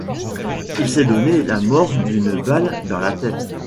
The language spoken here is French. Il s'est donné la mort d'une balle dans la tête.